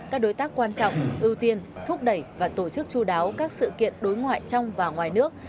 các đối tác quan trọng ưu tiên thúc đẩy và tổ chức chú đáo các sự kiện đối ngoại trong và ngoài nước